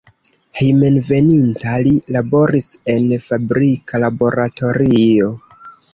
Hejmenveninta, li laboris en fabrika laboratorio.